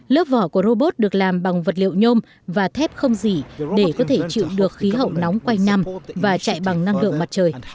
lớp vỏ của robot được làm bằng vật liệu nhôm và thép không gì để có thể chịu được khí hậu nóng quanh năm và chạy bằng năng lượng mặt trời